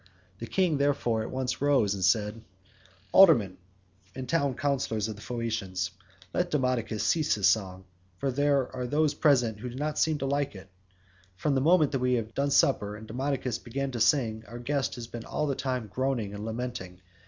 The king, therefore, at once rose and said: "Aldermen and town councillors of the Phaeacians, let Demodocus cease his song, for there are those present who do not seem to like it. From the moment that we had done supper and Demodocus began to sing, our guest has been all the time groaning and lamenting.